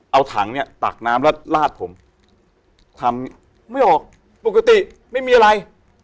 เอาถังเนี่ยตักน้ำแล้วลาดผมทำไม่ออกปกติไม่มีอะไร